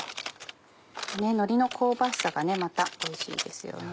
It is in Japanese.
のりの香ばしさがまたおいしいですよね。